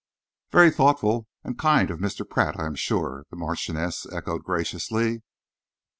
"Very thoughtful and kind of Mr. Pratt, I am sure," the Marchioness echoed graciously.